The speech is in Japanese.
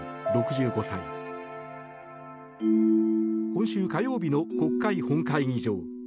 今週火曜日の国会本会議場。